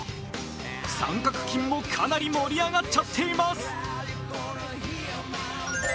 三角筋もかなり盛り上がっちゃってます。